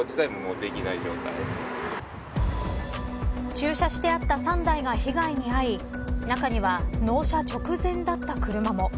駐車してあった３台が被害に遭い中には納車直前だった車も。